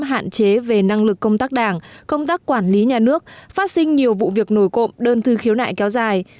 hạn chế về năng lực công tác đảng công tác quản lý nhà nước phát sinh nhiều vụ việc nổi cộng đơn thư khiếu nại kéo dài